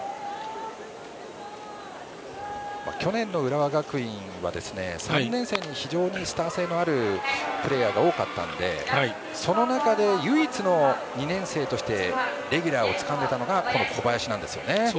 去年の浦和学院は３年生に非常にスター性のあるプレーヤーが多かったんでその中で唯一の２年生としてレギュラーをつかんでいたのが小林です。